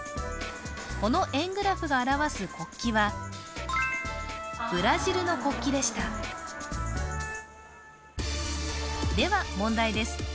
この円グラフが表す国旗はブラジルの国旗でしたでは問題です